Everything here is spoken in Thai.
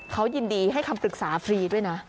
เขายินดีให้คำปรึกษาฟรีด้วยนะ